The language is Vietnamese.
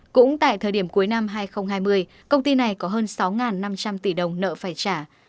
cũng tại thời điểm cuối năm hai nghìn hai mươi công ty này có hơn sáu năm trăm linh tỷ đồng nợ phải trả